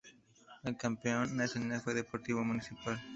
El campeón nacional fue Deportivo Municipal.